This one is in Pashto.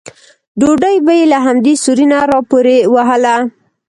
ډوډۍ به یې له همدې سوري نه راپورې وهله.